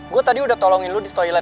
gue tadi udah tolongin lo di toilet ya